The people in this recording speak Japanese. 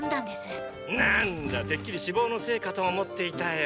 なんだてっきり脂肪のせいかと思っていたよ。